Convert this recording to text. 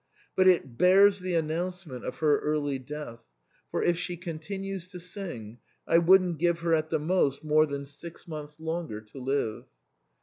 But it bears the announcement of her early death ; for, if she continues to sing, I wouldn't give her at the most more than six months longer to live."